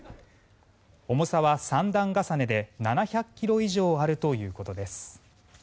重さは三段重ねで７００ｋｇ以上あるということです。